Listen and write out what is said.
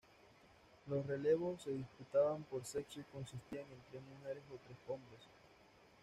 Los relevos se disputaban por sexo y consistían de tres mujeres o tres hombres.